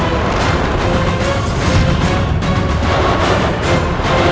aku akan mencari dia